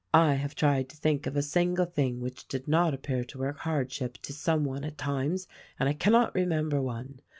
I have tried to think of a single thing which did not appear to work hardship to some one at times, and I cannot remember one.